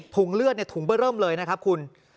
เลือดถุงเบอร์เริ่มเลยนะครับคุณ